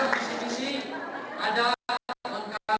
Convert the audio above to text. untuk fisi fisi ada ongkar dan mengumpulkan